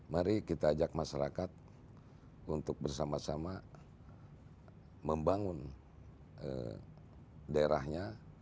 mari kita ajak masyarakat untuk bersama sama membangun daerahnya